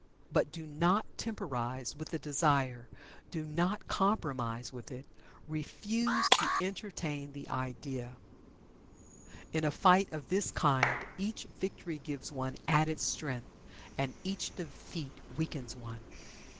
But do not temporize with the desire do not compromise with it refuse to entertain the idea. In a fight of this kind each victory gives one added strength, and each defeat weakens one.